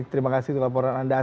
terima kasih untuk laporan anda